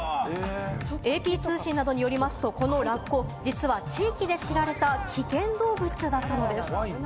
ＡＰ通信などによりますと、このラッコ、実は地域で知られた危険動物だったのです。